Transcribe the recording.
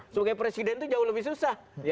sebagai presiden itu jauh lebih susah